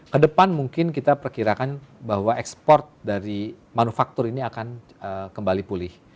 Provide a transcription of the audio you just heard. kedepan mungkin kita perkirakan bahwa ekspor dari manufaktur ini akan kembali pulih